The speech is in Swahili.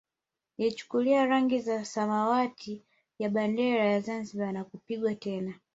Ilichukua rangi ya samawati ya bendera ya Zanzibar na kupigwa tena